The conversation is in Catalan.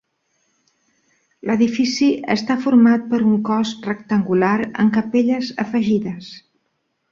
L'edifici està format per un cos rectangular amb capelles afegides.